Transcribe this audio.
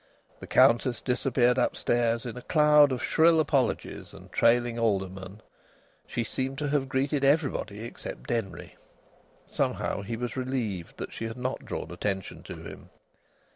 The Countess disappeared upstairs in a cloud of shrill apologies and trailing aldermen. She seemed to have greeted everybody except Denry. Somehow he was relieved that she had not drawn attention to him.